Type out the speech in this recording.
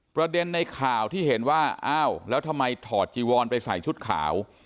ในข่าวที่เห็นว่าอ้าวแล้วทำไมถอดจีวอนไปใส่ชุดขาว